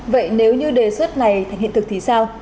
vậy nếu như đề xuất này thành hiện thực thì sao